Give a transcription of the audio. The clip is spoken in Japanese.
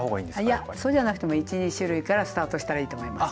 いやそうじゃなくても１２種類からスタートしたらいいと思います。